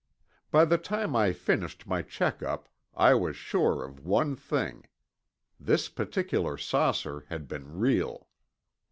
By the time I finished my check up, I was sure of one thing: This particular saucer had been real.